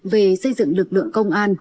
về xây dựng lực lượng công an